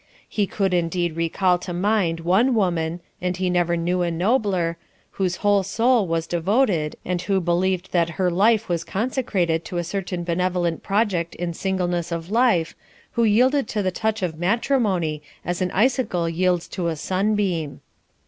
He could indeed recall to mind one woman and he never knew a nobler whose whole soul was devoted and who believed that her life was consecrated to a certain benevolent project in singleness of life, who yielded to the touch of matrimony, as an icicle yields to a sunbeam.